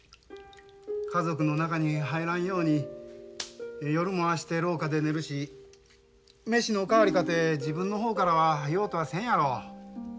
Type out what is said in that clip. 家族の中に入らんように夜もああして廊下で寝るし飯のお代わりかて自分の方からは言おうとはせんやろ。